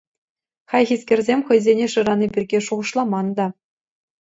Хайхискерсем хӑйсене шырани пирки шухӑшламан та.